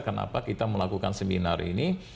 kenapa kita melakukan seminar ini